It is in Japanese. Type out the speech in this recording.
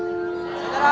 さよなら。